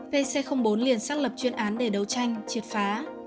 pc bốn liền xác lập chuyên án để đấu tranh triệt phá